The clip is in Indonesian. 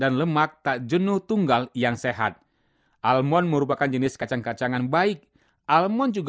dalam surga mulia yesus telah sediakan bagiku